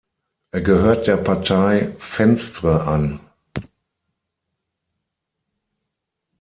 Er gehört der Partei Venstre an.